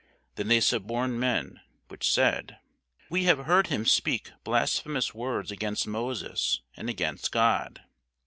Then they suborned men, which said, We have heard him speak blasphemous words against Moses, and against God.